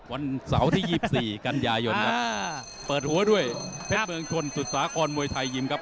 วันเสาร์ที่๒๔กันยายนครับเปิดหัวด้วยเพชรเมืองชนสุสาครมวยไทยยิมครับ